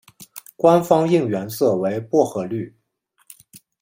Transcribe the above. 官方应援色为薄荷绿。